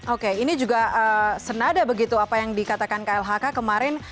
oke ini juga senada begitu apa yang dikatakan klhk kemarin